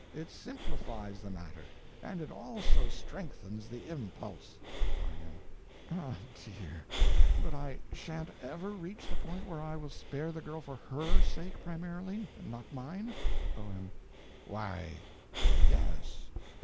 It simplifies the matter, and it also strengthens the impulse. Y.M. Ah, dear! But I sha'n't ever reach the point where I will spare the girl for _her _sake primarily, not mine? O.M. Why—yes.